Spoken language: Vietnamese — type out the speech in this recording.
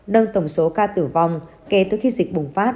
nâng tổng số ca tử vong kể từ khi dịch bùng phát